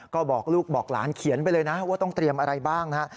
ก็บอกลูกบอกหลานเขียนไปเลยนะว่าต้องเตรียมอะไรบ้างนะฮะ